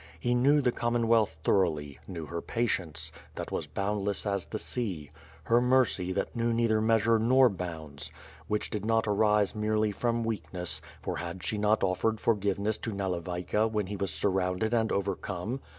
He knew the Commonwealth thoroughly; knew her patience, that waa boundless as the sea: her mercy that knew neither measure nor bounds; which did not arise merely from weakness; for had she not offered forgiveness to Nalevayka when he was surrounded and overcome?